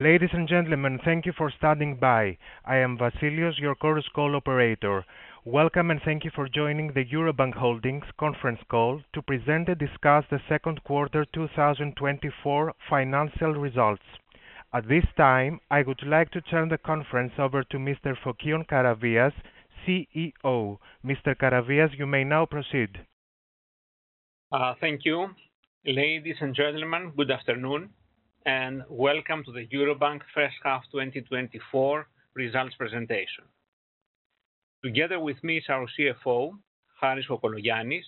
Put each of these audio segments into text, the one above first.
Ladies and gentlemen, thank you for standing by. I am Vasilios, your corresponding operator. Welcome and thank you for joining the Eurobank Holdings conference call to present and discuss the second quarter 2024 financial results. At this time, I would like to turn the conference over to Mr. Fokion Karavias, CEO. Mr. Karavias, you may now proceed. Thank you. Ladies and gentlemen, good afternoon and welcome to the Eurobank First Half 2024 results presentation. Together with me is our CFO, Harris Kokologiannis,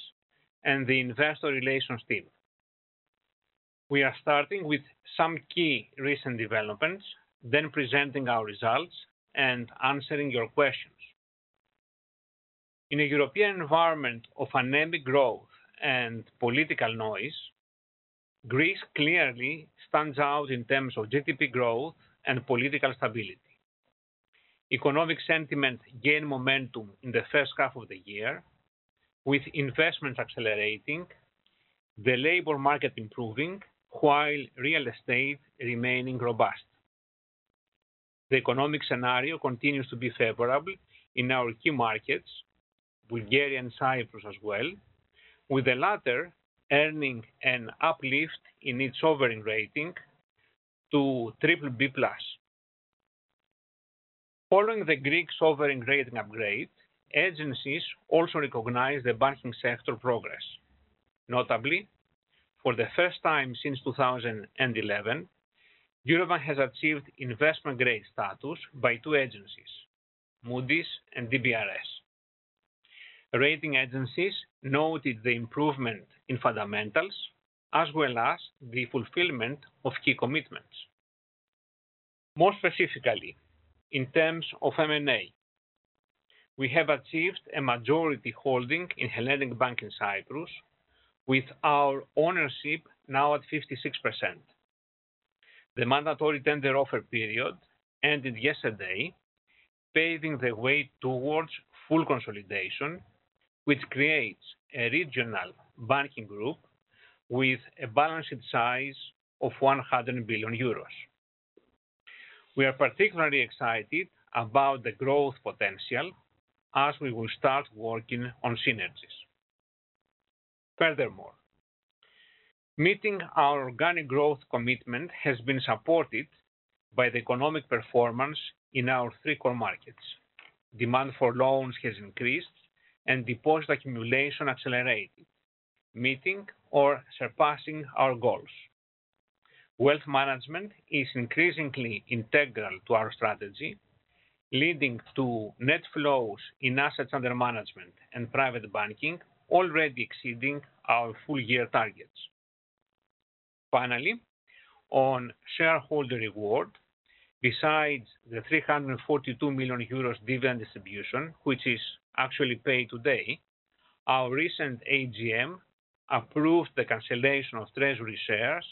and the investor relations team. We are starting with some key recent developments, then presenting our results and answering your questions. In a European environment of uneven growth and political noise, Greece clearly stands out in terms of GDP growth and political stability. Economic sentiment gained momentum in the first half of the year, with investments accelerating, the labor market improving, while real estate remaining robust. The economic scenario continues to be favorable in our key markets, Bulgaria, Cyprus as well, with the latter earning an uplift in its sovereign rating to triple B plus. Following the Greek sovereign rating upgrade, agencies also recognized the banking sector progress. Notably, for the first time since 2011, Eurobank has achieved investment-grade status by two agencies, Moody's and DBRS. Rating agencies noted the improvement in fundamentals as well as the fulfillment of key commitments. More specifically, in terms of M&A, we have achieved a majority holding in Hellenic Bank in Cyprus, with our ownership now at 56%. The mandatory tender offer period ended yesterday, paving the way towards full consolidation, which creates a regional banking group with a balance sheet size of 100 billion euros. We are particularly excited about the growth potential as we will start working on synergies. Furthermore, meeting our organic growth commitment has been supported by the economic performance in our three core markets. Demand for loans has increased and deposit accumulation accelerated, meeting or surpassing our goals. Wealth management is increasingly integral to our strategy, leading to net flows in assets under management and private banking already exceeding our full-year targets. Finally, on shareholder reward, besides the 342 million euros dividend distribution, which is actually paid today, our recent AGM approved the cancellation of treasury shares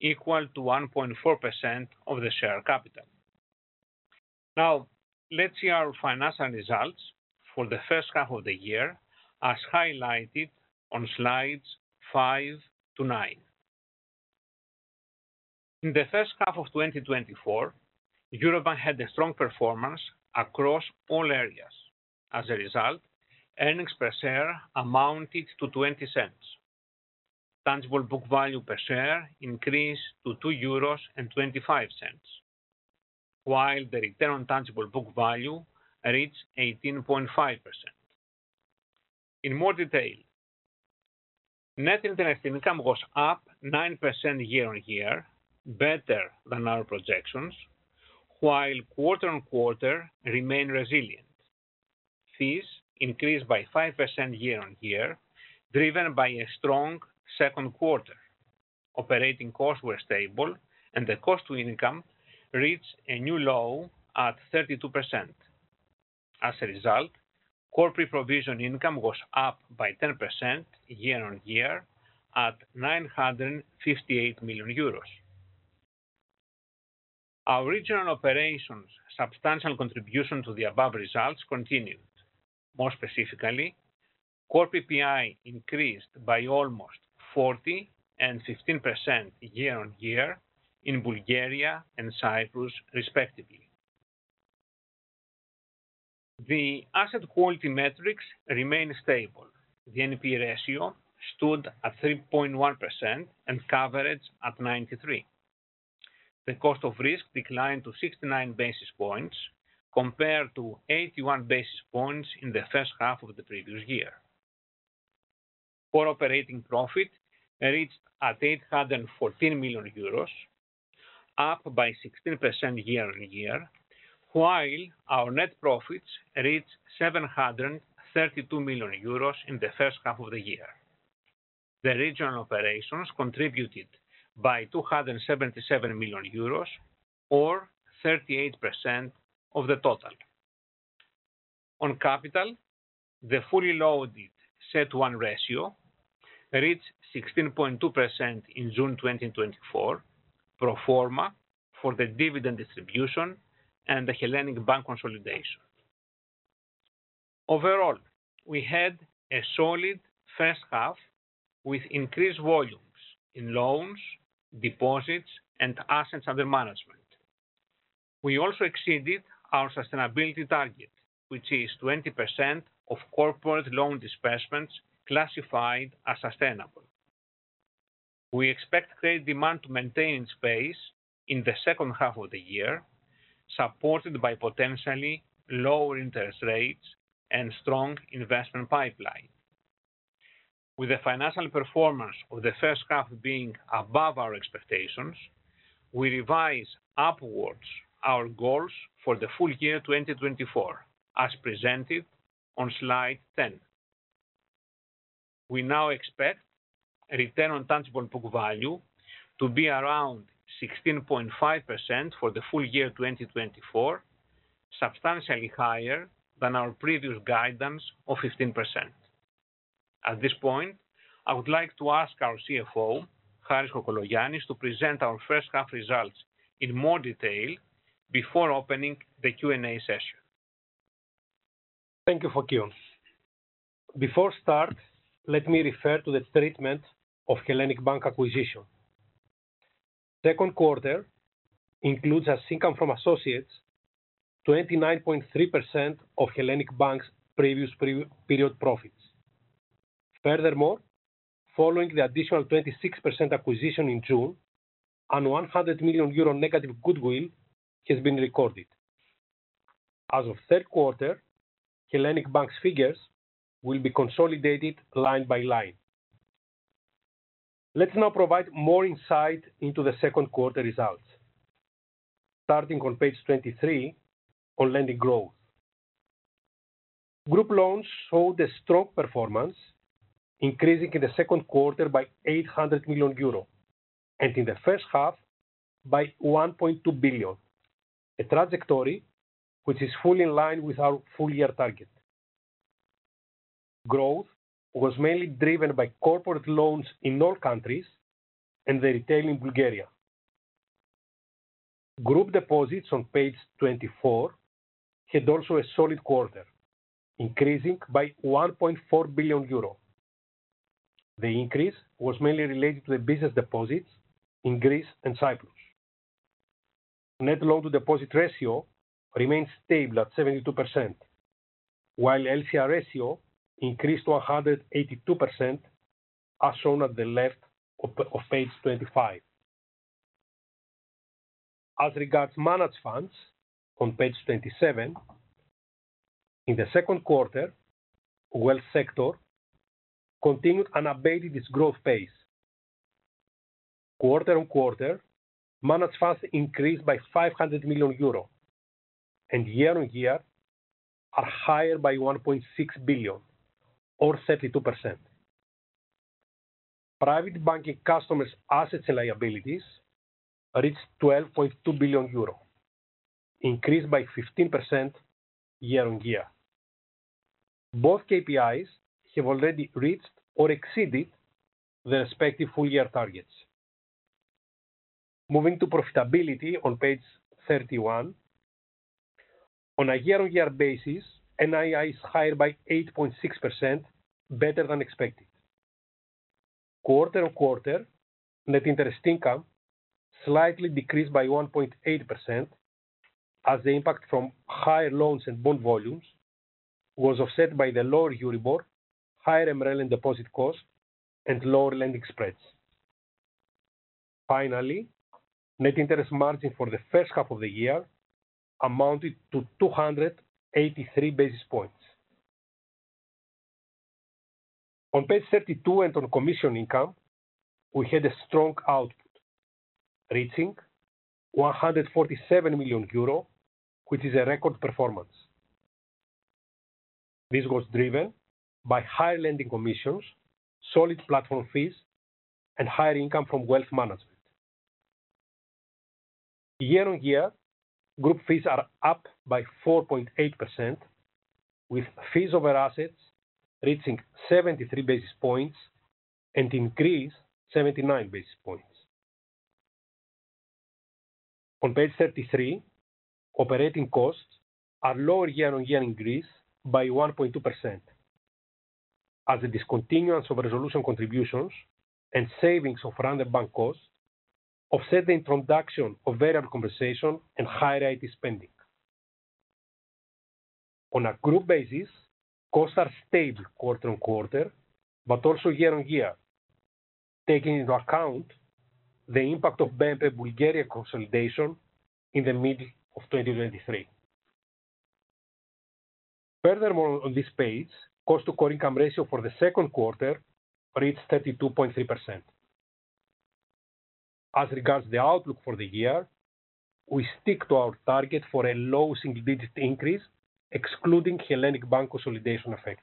equal to 1.4% of the share capital. Now, let's see our financial results for the first half of the year, as highlighted on slides five to nine. In the first half of 2024, Eurobank had a strong performance across all areas. As a result, earnings per share amounted to 0.20. Tangible book value per share increased to 2.25 euros, while the return on tangible book value reached 18.5%. In more detail, net interest income was up 9% year-on-year, better than our projections, while quarter-on-quarter remained resilient. Fees increased by 5% year-on-year, driven by a strong second quarter. Operating costs were stable, and the cost-to-income reached a new low at 32%. As a result, core pre-provision income was up by 10% year-on-year, at 958 million euros. Our regional operations' substantial contribution to the above results continued. More specifically, core PPI increased by almost 40% and 15% year-on-year in Bulgaria and Cyprus, respectively. The asset quality metrics remained stable. The NPE ratio stood at 3.1% and coverage at 93%. The cost of risk declined to 69 basis points, compared to 81 basis points in the first half of the previous year. Core operating profit reached 814 million euros, up by 16% year-on-year, while our net profits reached 732 million euros in the first half of the year. The regional operations contributed by 277 million euros, or 38% of the total. On capital, the fully loaded CET1 ratio reached 16.2% in June 2024, pro forma for the dividend distribution and the Hellenic Bank consolidation. Overall, we had a solid first half with increased volumes in loans, deposits, and assets under management. We also exceeded our sustainability target, which is 20% of corporate loan disbursements classified as sustainable. We expect credit demand to maintain its pace in the second half of the year, supported by potentially lower interest rates and a strong investment pipeline. With the financial performance of the first half being above our expectations, we revise upwards our goals for the full year 2024, as presented on slide 10. We now expect a return on tangible book value to be around 16.5% for the full year 2024, substantially higher than our previous guidance of 15%. At this point, I would like to ask our CFO, Harris Kokologiannis, to present our first half results in more detail before opening the Q&A session. Thank you, Fokion. Before we start, let me refer to the treatment of Hellenic Bank acquisition. Second quarter includes, as income from associates, 29.3% of Hellenic Bank's previous period profits. Furthermore, following the additional 26% acquisition in June, a 100 million euro negative goodwill has been recorded. As of third quarter, Hellenic Bank's figures will be consolidated line by line. Let's now provide more insight into the second quarter results. Starting on page 23, on lending growth. Group loans showed a strong performance, increasing in the second quarter by 800 million euro and in the first half by 1.2 billion, a trajectory which is fully in line with our full-year target. Growth was mainly driven by corporate loans in all countries and the retail in Bulgaria. Group deposits on page 24 had also a solid quarter, increasing by 1.4 billion euro. The increase was mainly related to the business deposits in Greece and Cyprus. Net loan-to-deposit ratio remained stable at 72%, while LCR ratio increased to 182%, as shown at the left of page 25. As regards managed funds, on page 27, in the second quarter, wealth sector continued and abated its growth pace. Quarter-on-quarter, managed funds increased by 500 million euro and year-on-year are higher by 1.6 billion, or 32%. Private banking customers' assets and liabilities reached 12.2 billion euro, increased by 15% year-on-year. Both KPIs have already reached or exceeded their respective full-year targets. Moving to profitability on page 31, on a year-on-year basis, NII is higher by 8.6%, better than expected. Quarter-on-quarter, net interest income slightly decreased by 1.8%, as the impact from higher loans and bond volumes was offset by the lower Euribor, higher MREL and deposit cost, and lower lending spreads. Finally, net interest margin for the first half of the year amounted to 283 basis points. On page 32 and on commission income, we had a strong output, reaching 147 million euro, which is a record performance. This was driven by higher lending commissions, solid platform fees, and higher income from wealth management. Year-on-year, group fees are up by 4.8%, with fees over assets reaching 73 basis points and increased 79 basis points. On page 33, operating costs are lower year-on-year in Greece by 1.2%, as the discontinuance of resolution contributions and savings of render bank costs offset the introduction of variable compensation and higher IT spending. On a group basis, costs are stable quarter-on-quarter, but also year-on-year, taking into account the impact of BNP Bulgaria consolidation in the middle of 2023. Furthermore, on this page, cost to core income ratio for the second quarter reached 32.3%. As regards the outlook for the year, we stick to our target for a low single-digit increase, excluding Hellenic Bank consolidation effect.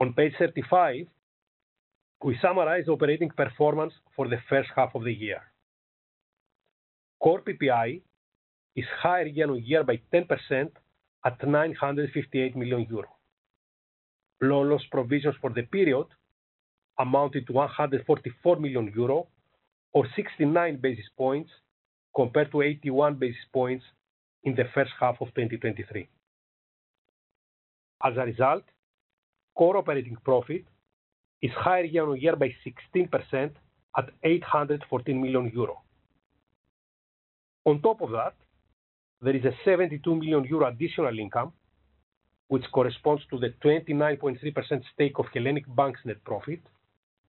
On page 35, we summarize operating performance for the first half of the year. Core PPI is higher year-on-year by 10% at 958 million euro. Loan loss provisions for the period amounted to 144 million euro, or 69 basis points compared to 81 basis points in the first half of 2023. As a result, core operating profit is higher year-on-year by 16% at 814 million euro. On top of that, there is a 72 million euro additional income, which corresponds to the 29.3% stake of Hellenic Bank's net profit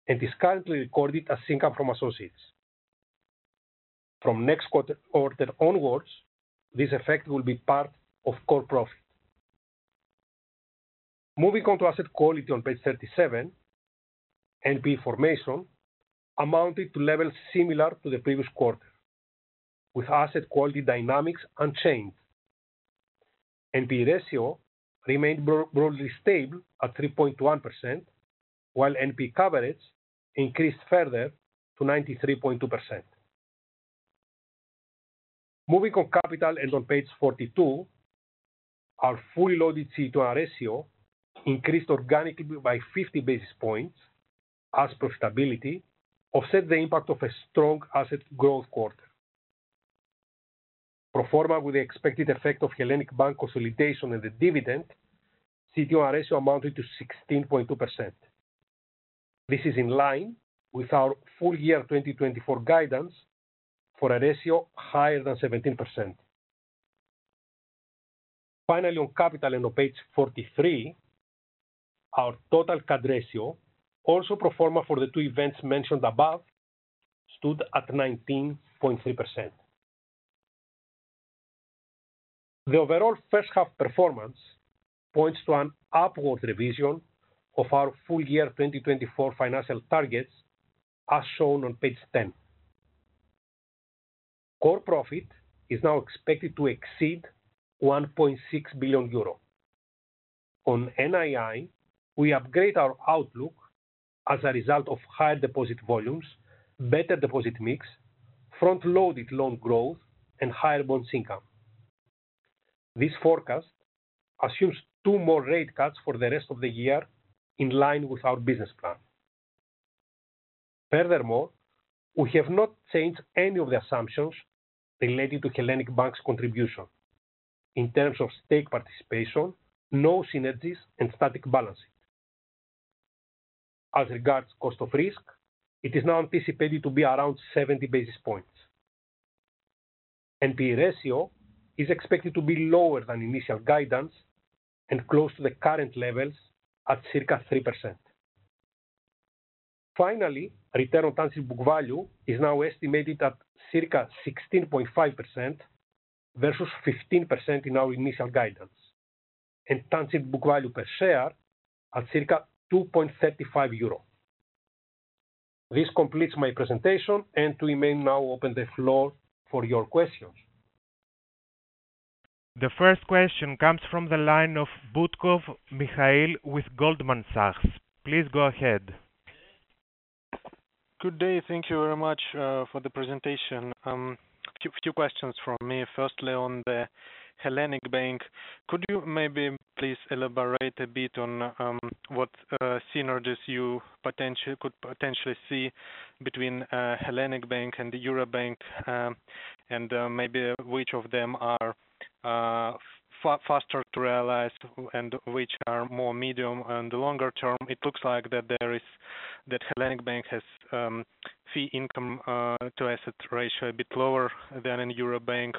and is currently recorded as income from associates. From next quarter onwards, this effect will be part of core profit. Moving on to asset quality on page 37, NPE formation amounted to levels similar to the previous quarter, with asset quality dynamics unchanged. NPE ratio remained broadly stable at 3.1%, while NPE coverage increased further to 93.2%. Moving on capital and on page 42, our fully loaded CET1 ratio increased organically by 50 basis points, as profitability offset the impact of a strong asset growth quarter. Pro forma with the expected effect of Hellenic Bank consolidation and the dividend, CET1 ratio amounted to 16.2%. This is in line with our full year 2024 guidance for a ratio higher than 17%. Finally, on capital and on page 43, our total CAD ratio, also pro forma for the two events mentioned above, stood at 19.3%. The overall first half performance points to an upward revision of our full year 2024 financial targets, as shown on page 10. Core profit is now expected to exceed 1.6 billion euro. On NII, we upgrade our outlook as a result of higher deposit volumes, better deposit mix, front-loaded loan growth, and higher bonds income. This forecast assumes two more rate cuts for the rest of the year in line with our business plan. Furthermore, we have not changed any of the assumptions related to Hellenic Bank's contribution in terms of stake participation, no synergies, and static balancing. As regards cost of risk, it is now anticipated to be around 70 basis points. NPE ratio is expected to be lower than initial guidance and close to the current levels at circa 3%. Finally, return on tangible book value is now estimated at circa 16.5% versus 15% in our initial guidance, and tangible book value per share at circa 2.35 euro. This completes my presentation, and we may now open the floor for your questions. The first question comes from the line of Mikhail Butkov with Goldman Sachs. Please go ahead. Good day, thank you very much for the presentation. A few questions from me. Firstly, on the Hellenic Bank, could you maybe please elaborate a bit on what synergies you could potentially see between Hellenic Bank and Eurobank, and maybe which of them are faster to realize and which are more medium and longer term? It looks like that Hellenic Bank has fee income to asset ratio a bit lower than in Eurobank.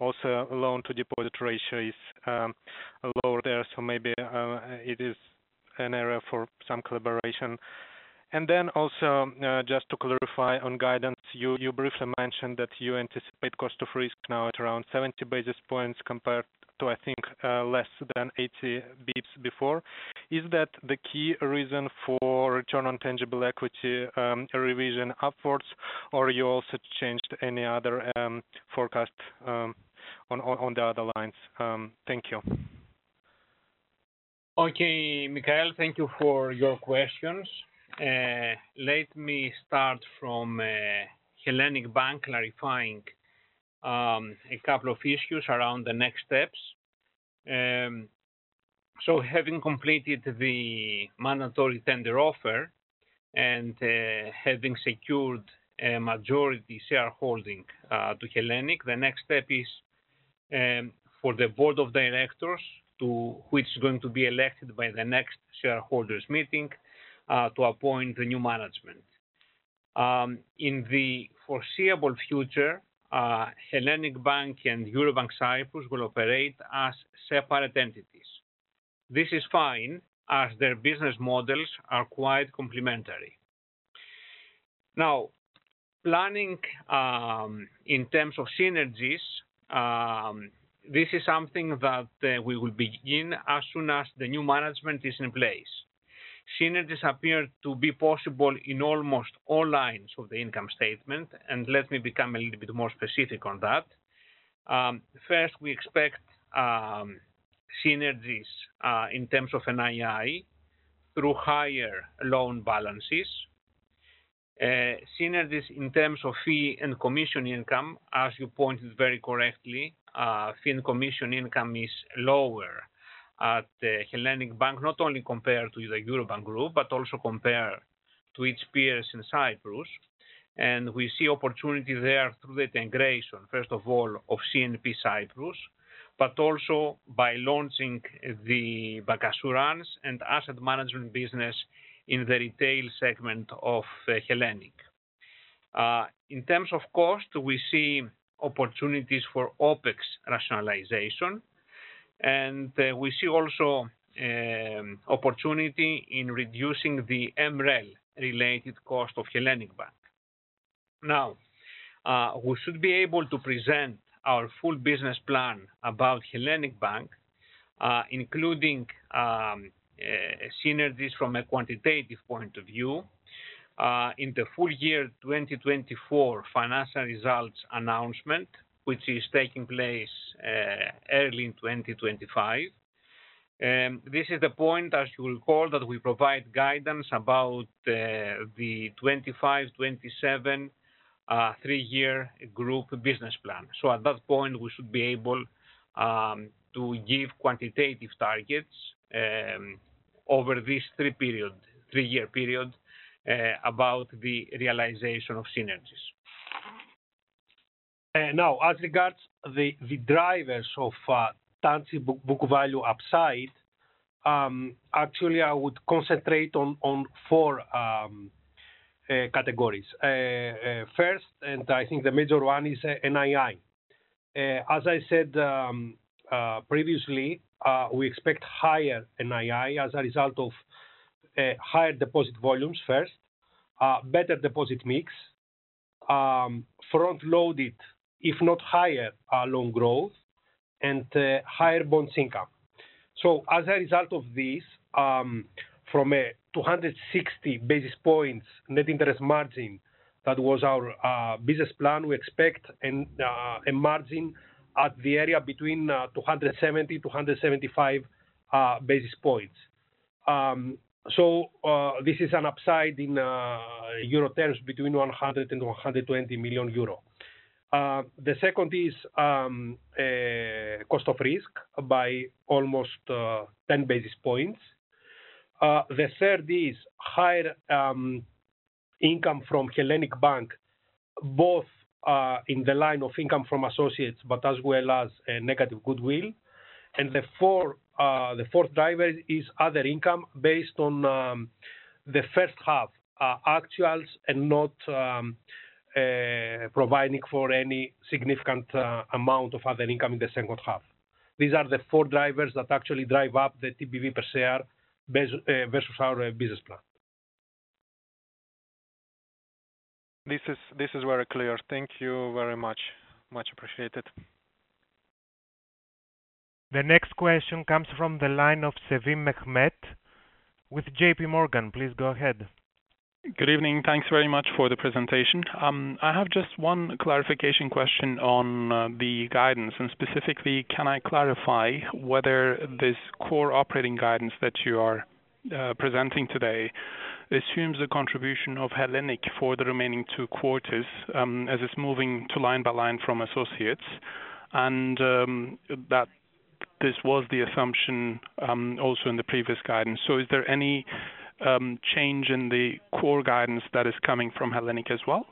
Also, loan-to-deposit ratio is lower there, so maybe it is an area for some collaboration. And then also, just to clarify on guidance, you briefly mentioned that you anticipate cost of risk now at around 70 basis points compared to, I think, less than 80 basis points before. Is that the key reason for return on tangible equity revision upwards, or you also changed any other forecast on the other lines? Thank you. Okay, Michael, thank you for your questions. Let me start from Hellenic Bank clarifying a couple of issues around the next steps. So, having completed the mandatory tender offer and having secured a majority shareholding to Hellenic, the next step is for the board of directors, which is going to be elected by the next shareholders' meeting, to appoint the new management. In the foreseeable future, Hellenic Bank and Eurobank Cyprus will operate as separate entities. This is fine, as their business models are quite complementary. Now, planning in terms of synergies, this is something that we will begin as soon as the new management is in place. Synergies appear to be possible in almost all lines of the income statement, and let me become a little bit more specific on that. First, we expect synergies in terms of NII through higher loan balances. Synergies in terms of fee and commission income, as you pointed very correctly, fee and commission income is lower at Hellenic Bank, not only compared to the Eurobank Group, but also compared to its peers in Cyprus. We see opportunity there through the integration, first of all, of CNP Cyprus, but also by launching the bancassurance and asset management business in the retail segment of Hellenic. In terms of cost, we see opportunities for OPEX rationalization, and we see also opportunity in reducing the MREL-related cost of Hellenic Bank. Now, we should be able to present our full business plan about Hellenic Bank, including synergies from a quantitative point of view, in the full year 2024 financial results announcement, which is taking place early in 2025. This is the point, as you recall, that we provide guidance about the 2025-2027 three-year group business plan. So, at that point, we should be able to give quantitative targets over this three-year period about the realization of synergies. Now, as regards the drivers of tangible book value upside, actually, I would concentrate on four categories. First, and I think the major one is NII. As I said previously, we expect higher NII as a result of higher deposit volumes first, better deposit mix, front-loaded, if not higher, loan growth, and higher bonds income. So, as a result of this, from a 260 basis points net interest margin that was our business plan, we expect a margin at the area between 270-275 basis points. So, this is an upside in euro terms between 100 million euro and 120 million euro. The second is cost of risk by almost 10 basis points. The third is higher income from Hellenic Bank, both in the line of income from associates, but as well as negative goodwill. The fourth driver is other income based on the first half, actuals, and not providing for any significant amount of other income in the second half. These are the four drivers that actually drive up the TBV per share versus our business plan. This is very clear. Thank you very much. Much appreciated. The next question comes from the line of Mehmet Sevim with J.P. Morgan. Please go ahead. Good evening. Thanks very much for the presentation. I have just one clarification question on the guidance. And specifically, can I clarify whether this core operating guidance that you are presenting today assumes the contribution of Hellenic for the remaining two quarters, as it's moving to line by line from associates? And that this was the assumption also in the previous guidance. So, is there any change in the core guidance that is coming from Hellenic as well?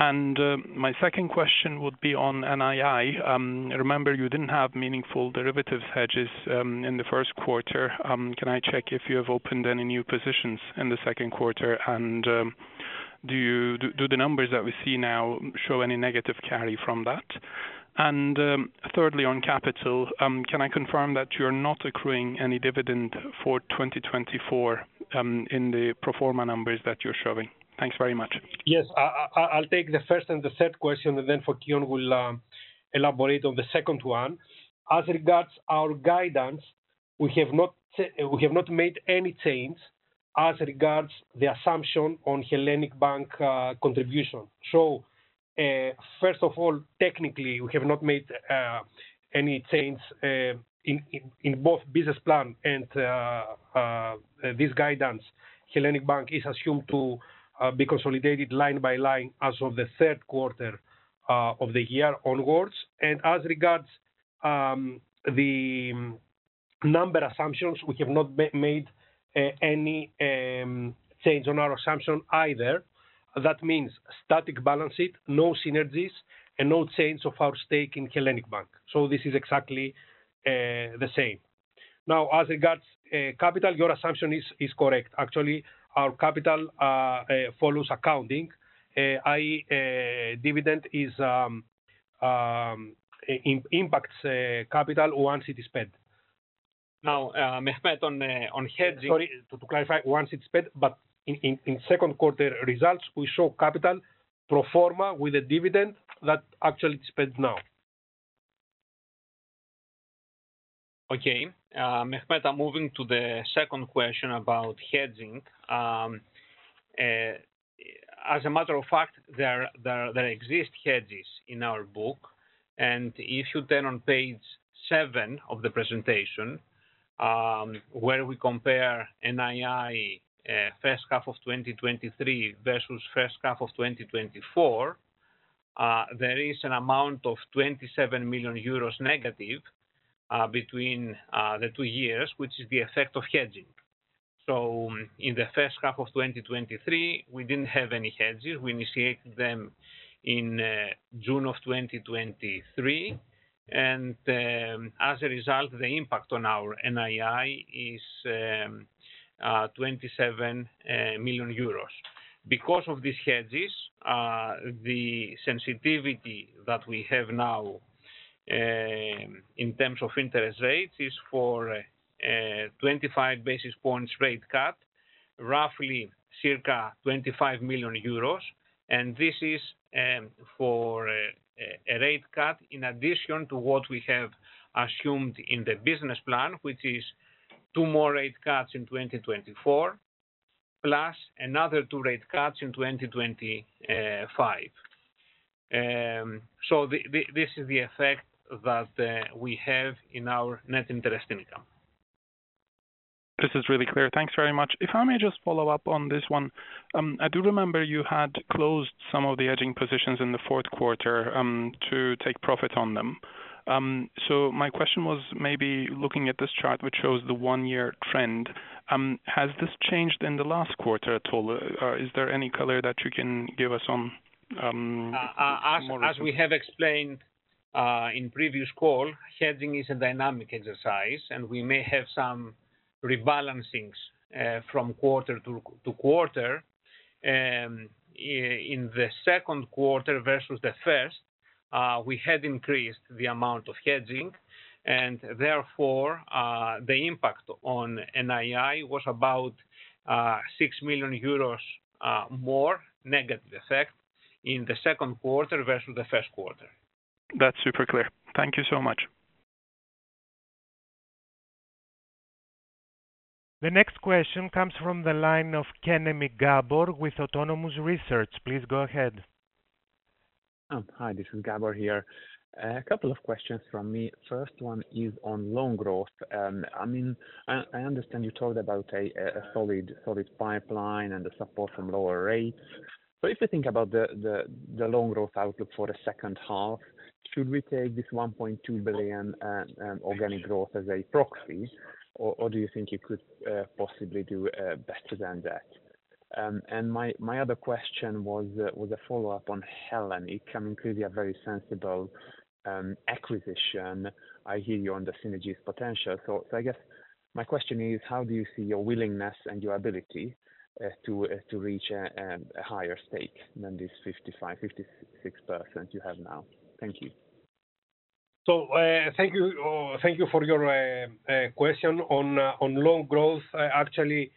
And my second question would be on NII. Remember, you didn't have meaningful derivatives hedges in the first quarter. Can I check if you have opened any new positions in the second quarter? And do the numbers that we see now show any negative carry from that? And thirdly, on capital, can I confirm that you are not accruing any dividend for 2024 in the pro forma numbers that you're showing? Thanks very much. Yes, I'll take the first and the third question, and then Fokion will elaborate on the second one. As regards our guidance, we have not made any change as regards the assumption on Hellenic Bank contribution. So, first of all, technically, we have not made any change in both business plan and this guidance. Hellenic Bank is assumed to be consolidated line by line as of the third quarter of the year onwards. And as regards the number assumptions, we have not made any change on our assumption either. That means static balance sheet, no synergies, and no change of our stake in Hellenic Bank. So, this is exactly the same. Now, as regards capital, your assumption is correct. Actually, our capital follows accounting. Dividend impacts capital once it is spent. Now, Mehmet on hedging. Sorry, to clarify, once it's spent, but in second quarter results, we show capital pro forma with a dividend that actually is spent now. Okay, Mehmet, moving to the second question about hedging. As a matter of fact, there exist hedges in our book. If you turn to page seven of the presentation, where we compare NII first half of 2023 versus first half of 2024, there is an amount of 27 million euros negative between the two years, which is the effect of hedging. So, in the first half of 2023, we didn't have any hedges. We initiated them in June of 2023. And as a result, the impact on our NII is 27 million euros. Because of these hedges, the sensitivity that we have now in terms of interest rates is for a 25 basis points rate cut, roughly circa 25 million euros. This is for a rate cut in addition to what we have assumed in the business plan, which is 2 more rate cuts in 2024, plus another two rate cuts in 2025. This is the effect that we have in our net interest income. This is really clear. Thanks very much. If I may just follow up on this one, I do remember you had closed some of the hedging positions in the fourth quarter to take profit on them. So, my question was maybe looking at this chart, which shows the one-year trend. Has this changed in the last quarter at all? Is there any color that you can give us on? As we have explained in previous call, hedging is a dynamic exercise, and we may have some rebalancings from quarter-to-quarter. In the second quarter versus the first, we had increased the amount of hedging, and therefore, the impact on NII was about 6 million euros more negative effect in the second quarter versus the first quarter. That's super clear. Thank you so much. The next question comes from the line of Gabor Kemeny with Autonomous Research. Please go ahead. Hi, this is Gabor here. A couple of questions from me. First one is on loan growth. I mean, I understand you talked about a solid pipeline and the support from lower rates. So, if you think about the loan growth outlook for the second half, should we take this 1.2 billion organic growth as a proxy, or do you think you could possibly do better than that? And my other question was a follow-up on Hellenic, I mean, clearly a very sensible acquisition. I hear you on the synergies potential. So, I guess my question is, how do you see your willingness and your ability to reach a higher stake than this 55%-56% you have now? Thank you. So, thank you for your question on loan growth. Actually,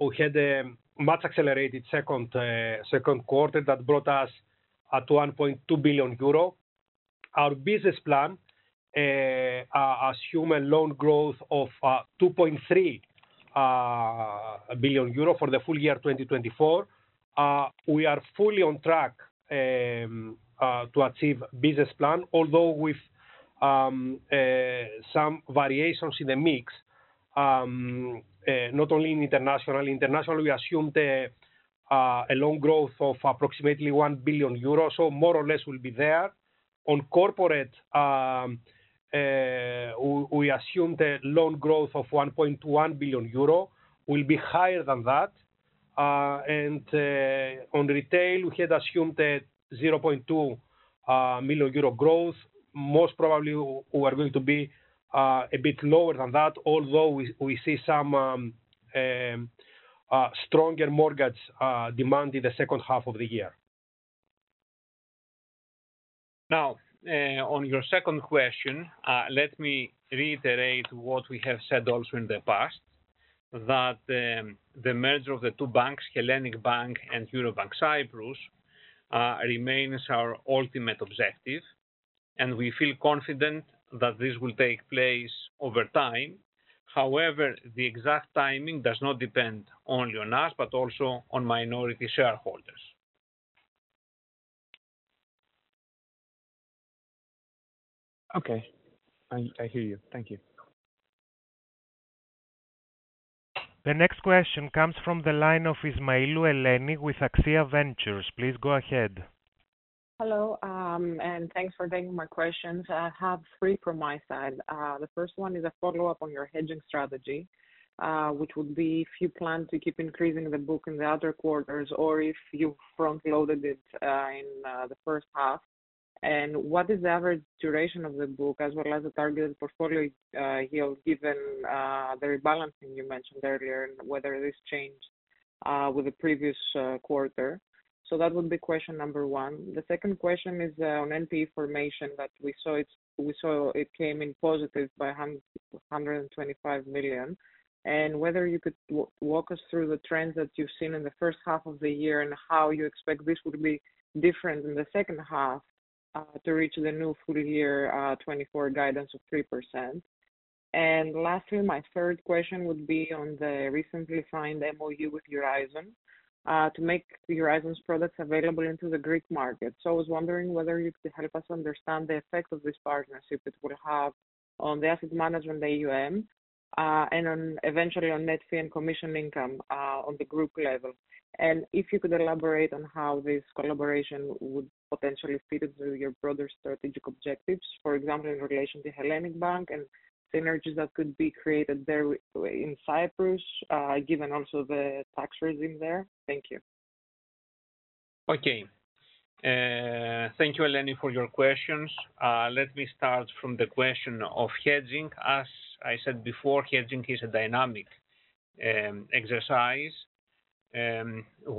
we had a much accelerated second quarter that brought us to 1.2 billion euro. Our business plan assumes a loan growth of 2.3 billion euro for the full year 2024. We are fully on track to achieve the business plan, although with some variations in the mix, not only in international. Internationally, we assumed a loan growth of approximately 1 billion euros. So, more or less, we'll be there. On corporate, we assumed a loan growth of 1.1 billion euro. We'll be higher than that. And on retail, we had assumed a 0.2 million euro growth. Most probably, we are going to be a bit lower than that, although we see some stronger mortgage demand in the second half of the year. Now, on your second question, let me reiterate what we have said also in the past, that the merger of the two banks, Hellenic Bank and Eurobank Cyprus, remains our ultimate objective. And we feel confident that this will take place over time. However, the exact timing does not depend only on us, but also on minority shareholders. Okay, I hear you. Thank you. The next question comes from the line of Eleni Ismailou with AXIA Ventures. Please go ahead. Hello, and thanks for taking my questions. I have three from my side. The first one is a follow-up on your hedging strategy, which would be if you plan to keep increasing the book in the other quarters or if you front-loaded it in the first half. And what is the average duration of the book as well as the targeted portfolio yield given the rebalancing you mentioned earlier and whether this changed with the previous quarter? So, that would be question number one. The second question is on NPE formation that we saw it came in positive by 125 million. And whether you could walk us through the trends that you've seen in the first half of the year and how you expect this would be different in the second half to reach the new full year 2024 guidance of 3%. Lastly, my third question would be on the recently signed MoU with Eurizon to make Eurizon's products available into the Greek market. So, I was wondering whether you could help us understand the effect of this partnership it will have on the asset management AUM and eventually on net fee and commission income on the group level. If you could elaborate on how this collaboration would potentially fit into your broader strategic objectives, for example, in relation to Hellenic Bank and synergies that could be created there in Cyprus, given also the tax regime there. Thank you. Okay. Thank you, Eleni, for your questions. Let me start from the question of hedging. As I said before, hedging is a dynamic exercise.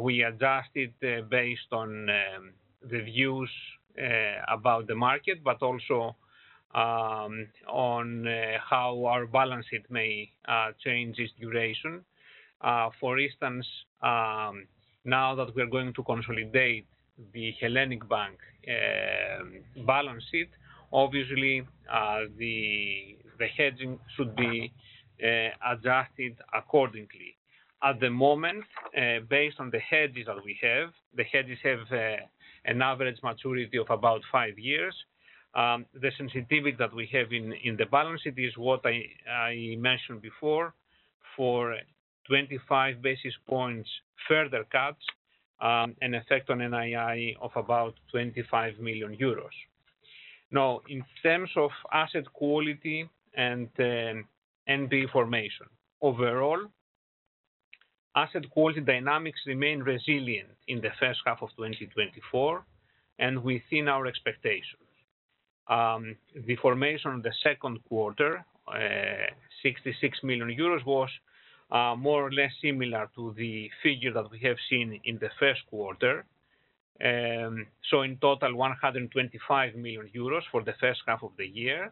We adjust it based on the views about the market, but also on how our balance sheet may change its duration. For instance, now that we are going to consolidate the Hellenic Bank balance sheet, obviously, the hedging should be adjusted accordingly. At the moment, based on the hedges that we have, the hedges have an average maturity of about five years. The sensitivity that we have in the balance sheet is what I mentioned before for 25 basis points further cuts and effect on NII of about 25 million euros. Now, in terms of asset quality and NPE formation, overall, asset quality dynamics remain resilient in the first half of 2024 and within our expectations. The formation of the second quarter, 66 million euros, was more or less similar to the figure that we have seen in the first quarter. So, in total, 125 million euros for the first half of the year,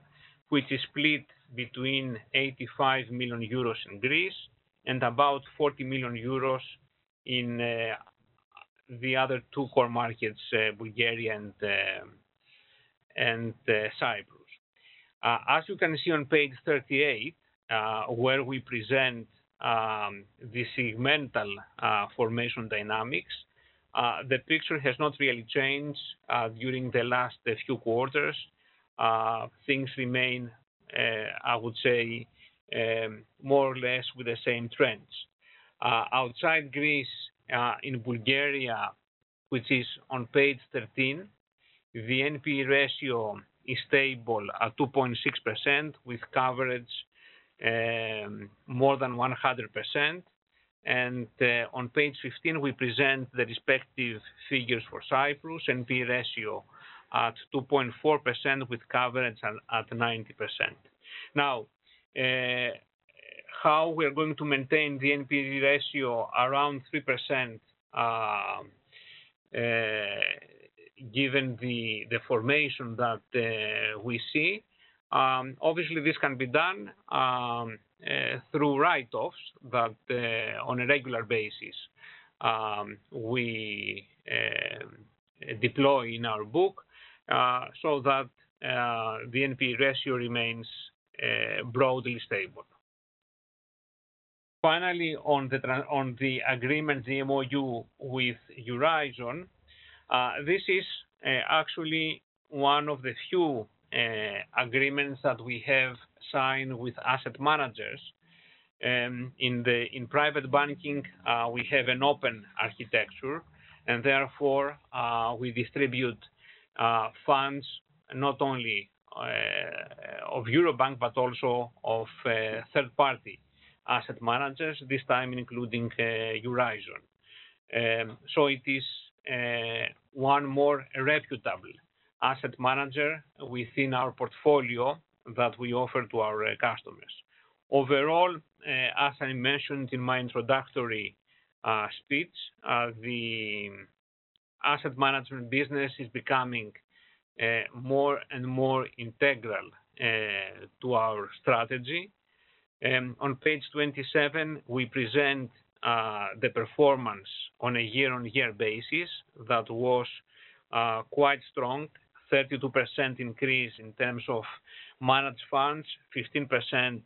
which is split between 85 million euros in Greece and about 40 million euros in the other two core markets, Bulgaria and Cyprus. As you can see on page 38, where we present the segmental formation dynamics, the picture has not really changed during the last few quarters. Things remain, I would say, more or less with the same trends. Outside Greece, in Bulgaria, which is on page 13, the NPE ratio is stable at 2.6% with coverage more than 100%. On page 15, we present the respective figures for Cyprus, NPE ratio at 2.4% with coverage at 90%. Now, how we are going to maintain the NPE ratio around 3% given the formation that we see? Obviously, this can be done through write-offs that on a regular basis we deploy in our book so that the NPE ratio remains broadly stable. Finally, on the agreement, the MoU with Eurizon, this is actually one of the few agreements that we have signed with asset managers. In private banking, we have an open architecture, and therefore, we distribute funds not only of Eurobank, but also of third-party asset managers, this time including Eurizon. So, it is one more reputable asset manager within our portfolio that we offer to our customers. Overall, as I mentioned in my introductory speech, the asset management business is becoming more and more integral to our strategy. On page 27, we present the performance on a year-on-year basis that was quite strong, 32% increase in terms of managed funds, 15%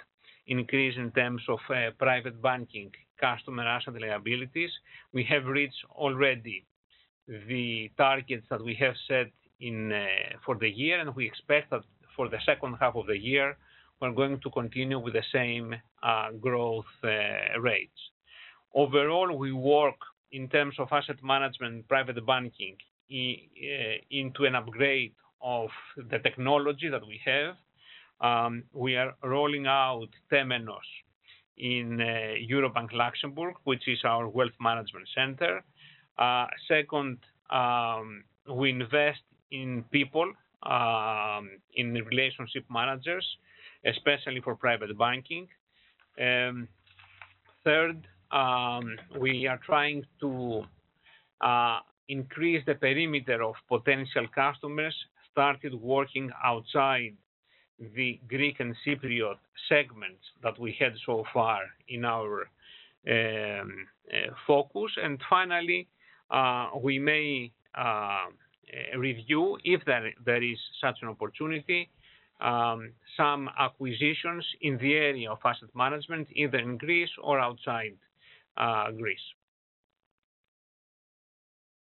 increase in terms of private banking customer asset liabilities. We have reached already the targets that we have set for the year, and we expect that for the second half of the year, we're going to continue with the same growth rates. Overall, we work in terms of asset management, private banking into an upgrade of the technology that we have. We are rolling out Temenos in Eurobank Luxembourg, which is our wealth management center. Second, we invest in people, in relationship managers, especially for private banking. Third, we are trying to increase the perimeter of potential customers, started working outside the Greek and Cypriot segments that we had so far in our focus. Finally, we may review, if there is such an opportunity, some acquisitions in the area of asset management, either in Greece or outside Greece.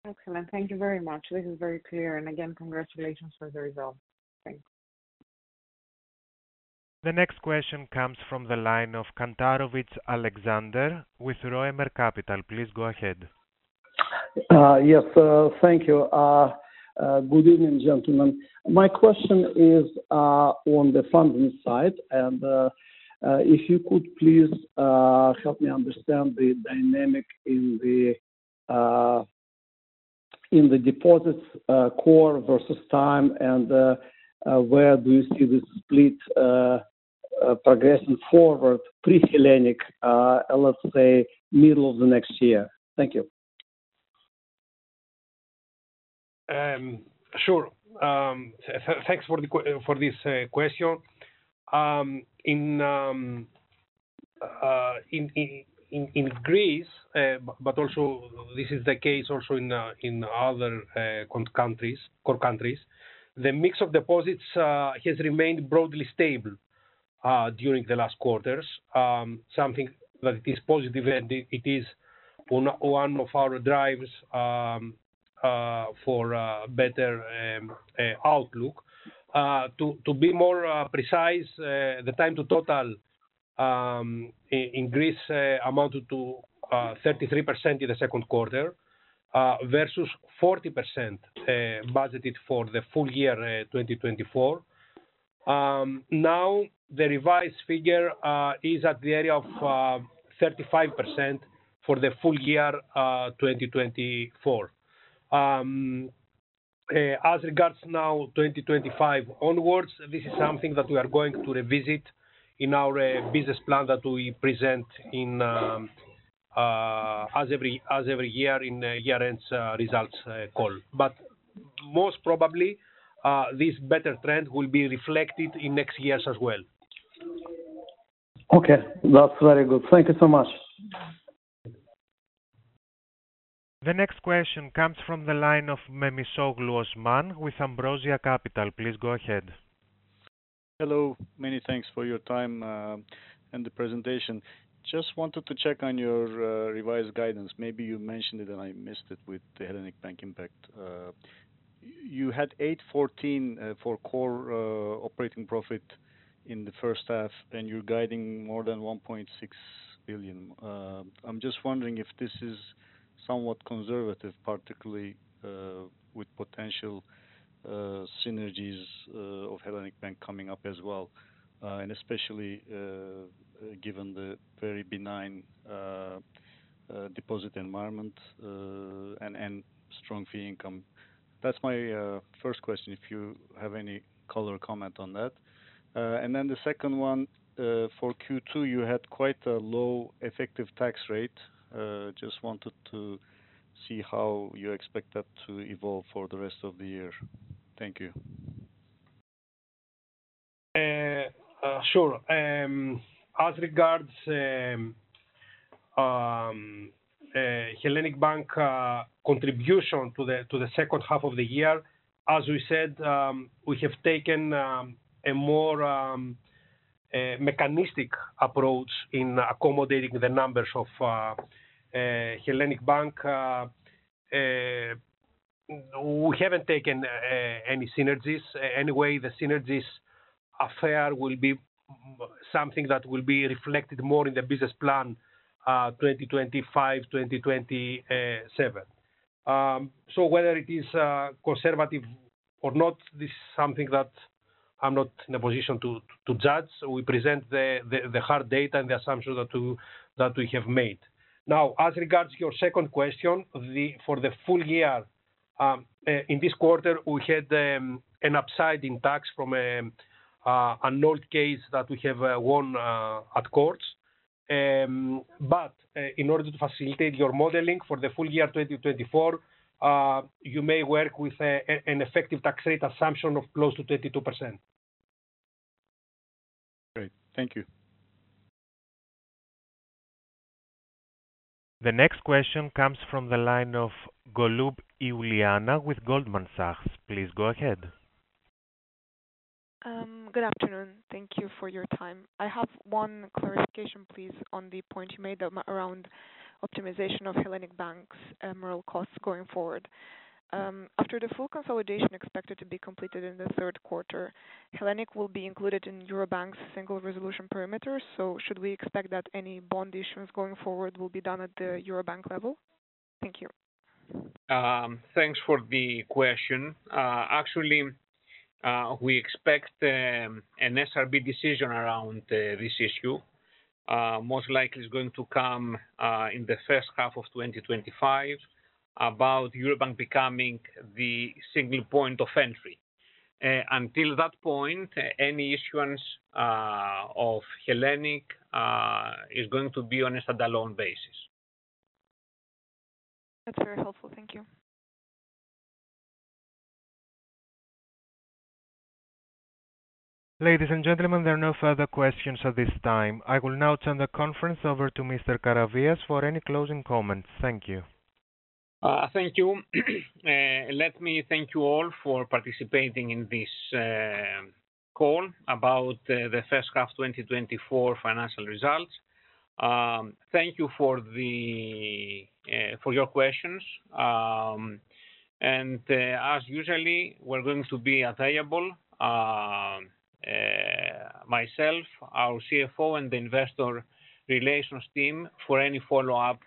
Excellent. Thank you very much. This is very clear. And again, congratulations for the result. Thanks. The next question comes from the line of Alexander Kantarovich with Roemer Capital. Please go ahead. Yes, thank you. Good evening, gentlemen. My question is on the funding side. If you could please help me understand the dynamic in the deposits core versus time, and where do you see this split progressing forward pre-Hellenic, let's say, middle of the next year? Thank you. Sure. Thanks for this question. In Greece, but also this is the case also in other core countries, the mix of deposits has remained broadly stable during the last quarters, something that is positive, and it is one of our drives for better outlook. To be more precise, the time to total in Greece amounted to 33% in the second quarter versus 40% budgeted for the full year 2024. Now, the revised figure is at the area of 35% for the full year 2024. As regards now 2025 onwards, this is something that we are going to revisit in our business plan that we present as every year in year-end results call. But most probably, this better trend will be reflected in next years as well. Okay. That's very good. Thank you so much. The next question comes from the line of Osman Memisoglu with Ambrosia Capital. Please go ahead. Hello. Many thanks for your time and the presentation. Just wanted to check on your revised guidance. Maybe you mentioned it, and I missed it with the Hellenic Bank impact. You had 814 for core operating profit in the first half, and you're guiding more than 1.6 billion. I'm just wondering if this is somewhat conservative, particularly with potential synergies of Hellenic Bank coming up as well, and especially given the very benign deposit environment and strong fee income. That's my first question, if you have any color comment on that. And then the second one, for Q2, you had quite a low effective tax rate. Just wanted to see how you expect that to evolve for the rest of the year. Thank you. Sure. As regards Hellenic Bank contribution to the second half of the year, as we said, we have taken a more mechanistic approach in accommodating the numbers of Hellenic Bank. We haven't taken any synergies. Anyway, the synergies affair will be something that will be reflected more in the business plan 2025-2027. So whether it is conservative or not, this is something that I'm not in a position to judge. We present the hard data and the assumptions that we have made. Now, as regards your second question, for the full year, in this quarter, we had an upside in tax from an old case that we have won at courts. But in order to facilitate your modeling for the full year 2024, you may work with an effective tax rate assumption of close to 22%. Great. Thank you. The next question comes from the line of Iuliana Golub with Goldman Sachs. Please go ahead. Good afternoon. Thank you for your time. I have one clarification, please, on the point you made around optimization of Hellenic Bank's MREL costs going forward. After the full consolidation expected to be completed in the third quarter, Hellenic will be included in Eurobank's single resolution perimeter. So should we expect that any bond issues going forward will be done at the Eurobank level? Thank you. Thanks for the question. Actually, we expect an SRB decision around this issue. Most likely, it's going to come in the first half of 2025 about Eurobank becoming the single point of entry. Until that point, any issuance of Hellenic is going to be on a standalone basis. That's very helpful. Thank you. Ladies and gentlemen, there are no further questions at this time. I will now turn the conference over to Mr. Karavias for any closing comments. Thank you. Thank you. Let me thank you all for participating in this call about the first half 2024 financial results. Thank you for your questions. As usual, we're going to be available, myself, our CFO, and the investor relations team for any follow-up.